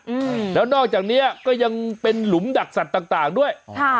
อืมแล้วนอกจากเนี้ยก็ยังเป็นหลุมดักสัตว์ต่างต่างด้วยอ๋อค่ะ